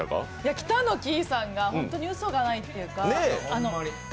北乃きいさんが本当にうそがないというかだ